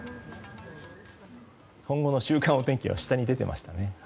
今後の週間お天気は下に出ていましたね。